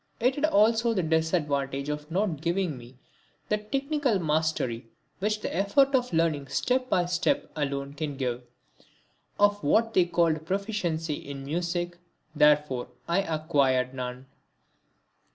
It had also the disadvantage of not giving me that technical mastery which the effort of learning step by step alone can give. Of what may be called proficiency in music, therefore, I acquired none.